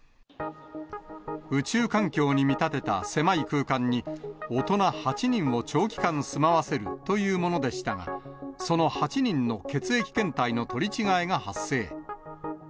宇宙環境に見立てた狭い空間に、大人８人を長期間住まわせるというものでしたが、その８人の血液検体の取り違えが発生。